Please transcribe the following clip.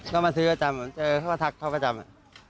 ก็มาซื้อประจำเจอเขาก็ทักเขาก็จำ